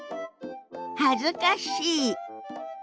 恥ずかしい。